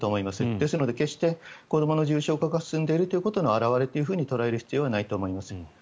ですので決して子どもの重症化が進んでいることの表れというふうに捉える必要はないと思います。